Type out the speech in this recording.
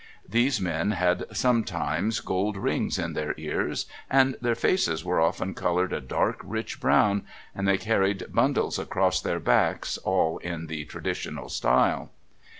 These men had sometimes gold rings in their ears, and their faces were often coloured a dark rich brown, and they carried bundles across their backs all in the traditional style.